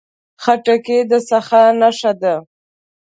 خټکی د سخا نښه ده.